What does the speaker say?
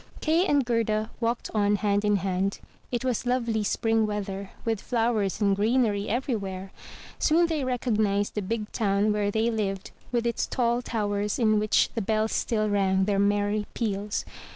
Kay and Gerda walked on hand in hand. It was lovely spring weather, with flowers and greenery everywhere. Soon they recognized the big town where they lived with its tall towers in which the bells still rang their merry peals.